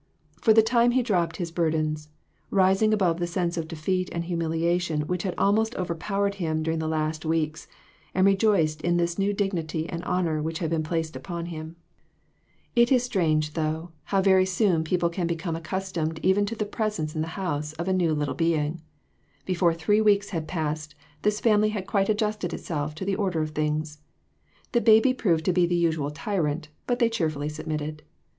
For the time he dropped his bur dens, rising above the sense of defeat and humil iation which had almost overpowered him during the last few weeks, and lejoiced in this new dig nity and honor which had been placed upon him. THREE OF US. 391 It is strange, though, how very soon people can become accustomed even to the presence in the house of a little new being ! Before three weeks had passed, this family had quite adjusted itself to the order of things. The baby proved to be the usual tyrant, but they cheerfully* submitted.